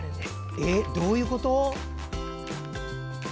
えっ、どういうこと？